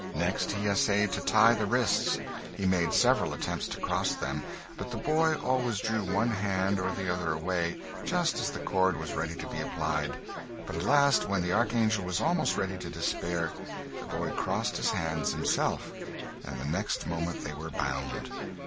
Next he essayed to tie the wrists; he made several attempts to cross them, but the boy always drew one hand or the other away, just as the cord was ready to be applied; but at last, when the archangel was almost ready to despair, the boy crossed his hands himself, and the next moment they were bound.